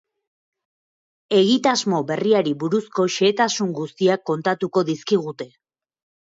Egitasmo berriari buruzko xehetasun guztiak kontatuko dizkigute.